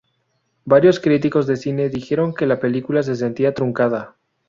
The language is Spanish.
Varios críticos de cine dijeron que la película se sentía truncada.